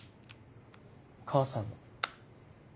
母さんの。